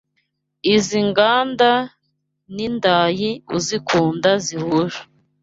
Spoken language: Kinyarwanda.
Iz’inganda n’indayi Uzikunda zihuje